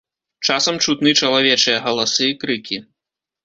Часам чутны чалавечыя галасы, крыкі.